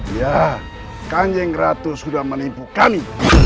ya kanjeng ratu sudah menipu kami